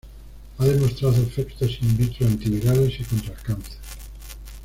Ha demostrado efectos "in vitro" antivirales y contra el cáncer.